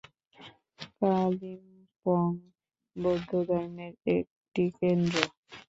কালিম্পং বৌদ্ধধর্মের একটি কেন্দ্র।